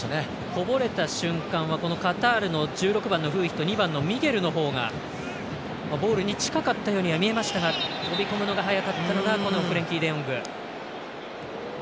こぼれた瞬間はカタールのフーヒと２番のミゲルのほうがボールに近かったように見えましたが飛び込むのが早かったのがフレンキー・デヨング。